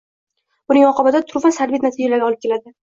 buning oqibatida turfa salbiy natijalarga olib keladi